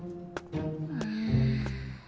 うん。